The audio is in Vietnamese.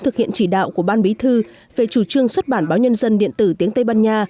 thực hiện chỉ đạo của ban bí thư về chủ trương xuất bản báo nhân dân điện tử tiếng tây ban nha